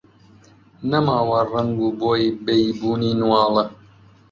نەماوە ڕەنگ و بۆی بەیبوونی نواڵە